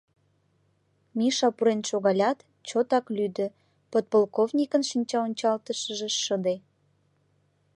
Миша пурен шогалят, чотак лӱдӧ: подполковникын шинчаончалтышыже шыде.